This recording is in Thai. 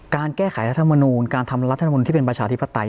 การแก้ไขรัฐมนูลการทำรัฐมนุนที่เป็นประชาธิปไตย